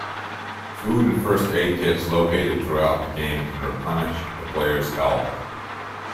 Food and first-aid kits located throughout the game can replenish the player's health.